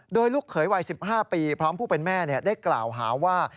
โดยลูกเขยวัย๑๕ปีพร้อมผู้เป็นแม่ได้กล่าวหาว่า